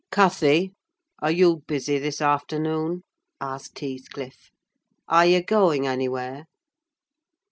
"Cathy, are you busy this afternoon?" asked Heathcliff. "Are you going anywhere?"